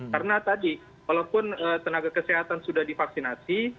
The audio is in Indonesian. karena tadi walaupun tenaga kesehatan sudah divaksinasi